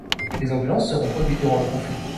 Des ambulances seront produites durant le conflit.